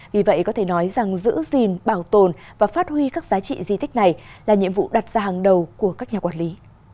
vì vậy có thể nói rằng giữ gìn bảo tồn và phát huy các giá trị di tích này là nhiệm vụ đặt ra hàng đầu của các nhà quản lý